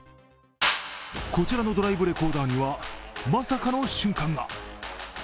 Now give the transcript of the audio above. こちらのドライブレコーダーにはまさかの瞬間が。